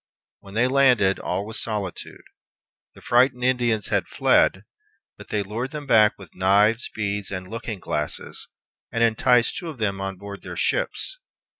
When they landed, all was solitude. The frightened Indians had fled, but they lured them back with knives, beads, and looking glasses, and enticed two of them on board their ships.